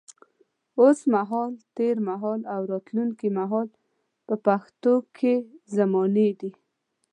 اوس مهال، تېر مهال او راتلونکي مهال په پښتو کې زمانې دي.